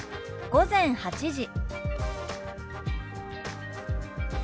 「午前８時」。